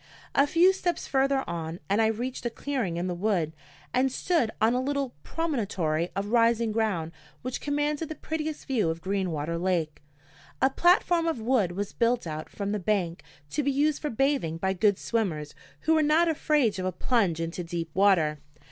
A few steps further on and I reached a clearing in the wood and stood on a little promontory of rising ground which commanded the prettiest view of Greenwater lake. A platform of wood was built out from the bank, to be used for bathing by good swimmers who were not afraid of a plunge into deep water.